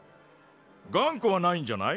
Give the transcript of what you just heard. がんこはないんじゃない？